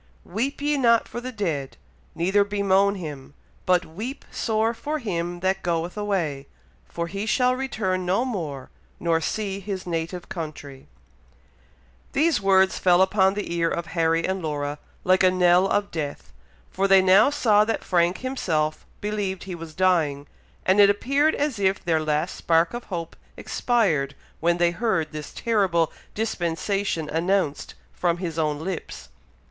"Weep ye not for the dead, neither bemoan him; but weep sore for him that goeth away: for he shall return no more, nor see his native country." Jeremiah xxii. 10. These words fell upon the ear of Harry and Laura like a knell of death, for they now saw that Frank himself believed he was dying, and it appeared as if their last spark of hope expired when they heard this terrible dispensation announced from his own lips.